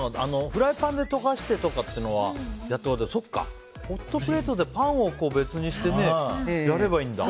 フライパンで溶かしてとかってのはやったことはあるけどそっか、ホットプレートでパンを別にしてやればいいんだ。